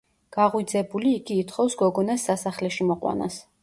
გაღვიძებული, იგი ითხოვს გოგონას სასახლეში მოყვანას.